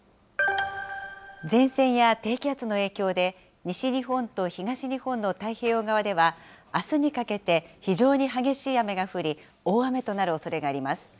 前線や低気圧の影響で、西日本と東日本の太平洋側では、あすにかけて、非常に激しい雨が降り、大雨となるおそれがあります。